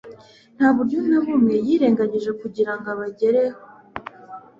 Nta buryo na bumwe yirengagije kugira ngo abagereho.